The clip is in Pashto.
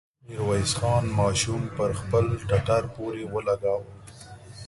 ميرويس خان ماشوم پر خپل ټټر پورې ولګاوه.